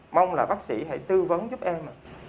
mong là bác sĩ hãy tư vấn giúp em